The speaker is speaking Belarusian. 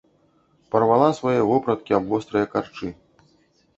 Парвала свае вопраткі аб вострыя карчы.